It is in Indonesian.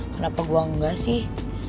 kenapa gue enggak sih